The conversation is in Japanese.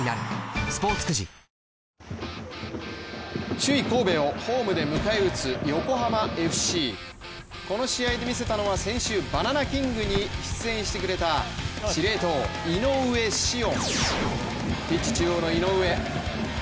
首位神戸をホームで迎え撃つ横浜ＦＣ、この試合で見せたのは先週バナナＫＩＮＧに出演してくれた司令塔・井上潮音。